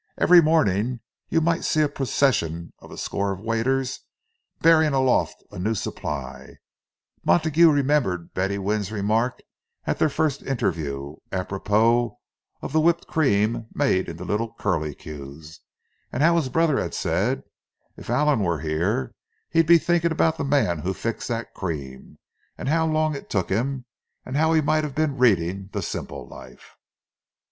Each morning you might see a procession of a score of waiters bearing aloft a new supply. Montague remembered Betty Wyman's remark at their first interview, apropos of the whipped cream made into little curleques; how his brother had said, "If Allan were here, he'd be thinking about the man who fixed that cream, and how long it took him, and how he might have been reading 'The Simple Life'!"